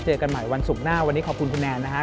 เจอกันใหม่วันศุกร์หน้าวันนี้ขอบคุณคุณแนนนะครับ